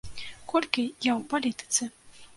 Колькі я ў палітыцы?